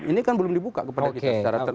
ini kan belum dibuka kepada kita oke